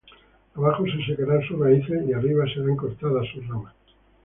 Abajo se secarán sus raíces, Y arriba serán cortadas sus ramas.